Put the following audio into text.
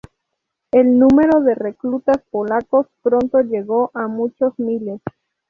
El número de reclutas polacos pronto llegó a muchos miles.